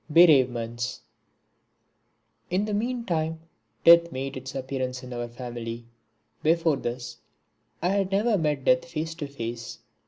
(42) Bereavements In the meantime death made its appearance in our family. Before this, I had never met Death face to face.